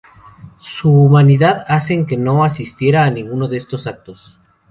Su humildad hacen que no asistiera a ninguno de estos actos.